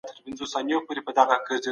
که باران ونه وریږي نو موږ به کار وکړو.